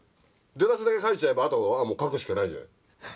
出だしだけ書いちゃえばあとはもう書くしかないじゃない。